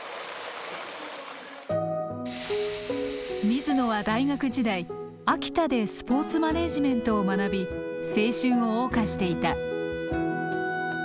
水野は大学時代秋田でスポーツマネージメントを学び青春を謳歌していた。